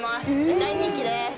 大人気です。